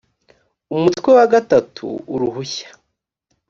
umutwe wa gatatu uruhushya